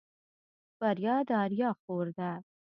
بريا د آريا خور ده.